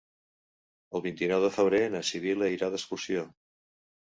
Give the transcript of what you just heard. El vint-i-nou de febrer na Sibil·la irà d'excursió.